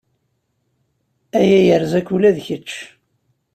Aya yerza-k ula d kečč.